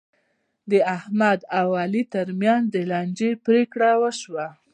د احمد او علي ترمنځ د لانجو پرېکړې وشولې.